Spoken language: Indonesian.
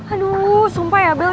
aduh sumpah ya bel